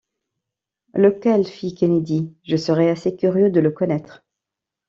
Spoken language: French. Lequel? fit Kennedy ; je serais assez curieux de le connaître.